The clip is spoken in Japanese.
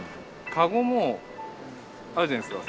カゴもあるじゃないですか。